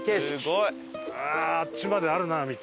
ああーあっちまであるな道。